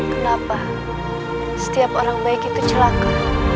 kenapa setiap orang baik itu celaka